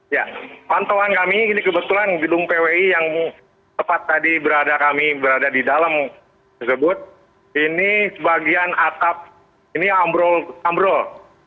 ya pantauan kami ini kebetulan gedung pwi yang tepat tadi berada di dalam tersebut ini sebagian atap ini ambrol